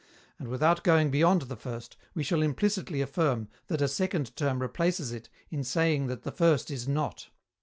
And, without going beyond the first, we shall implicitly affirm that a second term replaces it in saying that the first "is not."